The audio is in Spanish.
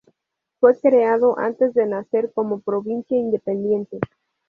Fue creado antes de nacer como provincia independiente.